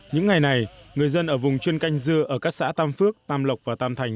những ngày này người dân ở vùng chuyên canh dưa ở các xã tam phước tam lộc và tam thành